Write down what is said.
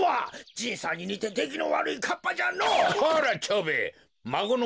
じいさんににてできのわるいかっぱじゃの。